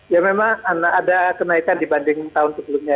ya memang ada kenaikan dibanding tahun sebelumnya